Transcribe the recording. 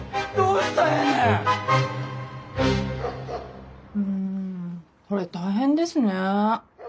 うんそれ大変ですね。